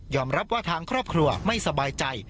รับว่าทางครอบครัวไม่สบายใจ